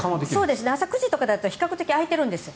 朝９時とかだったら比較的空いているんです。